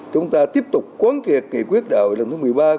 chúng ta tiếp tục quán kiệt nghị quyết đảo lần thứ một mươi ba của đảng